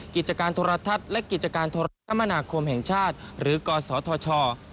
กิจการโทรทัศน์และกิจการโทรคมนาคมแห่งชาติหรือกศธช